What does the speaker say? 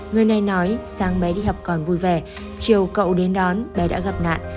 người này nói sáng bé đi học còn vui vẻ chiều cậu đến đón bé đã gặp nạn